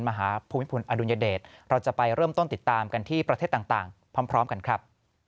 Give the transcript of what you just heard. ภูมิพลอดุลยเดชเราจะไปเริ่มต้นติดตามกันที่ประเทศต่างพร้อมกันครับ